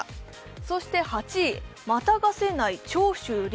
そして８位、跨がせない長州力。